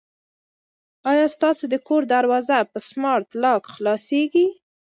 آیا ستاسو د کور دروازه په سمارټ لاک خلاصیږي؟